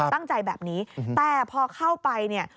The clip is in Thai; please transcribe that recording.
ตั้งใจแบบนี้แต่พอเข้าไปเนี่ย